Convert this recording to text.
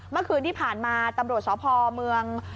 เมื่อคืนที่ผ่านมาตำรวจสพเมือง